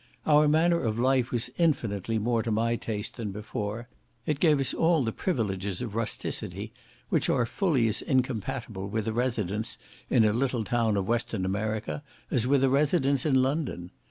Our manner of life was infinitely more to my taste than before; it gave us all the privileges of rusticity, which are fully as incompatible with a residence in a little town of Western America as with a residence in London.